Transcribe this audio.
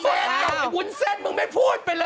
แฟนเก่าไอ้วุ้นเส้นมึงไม่พูดไปเลย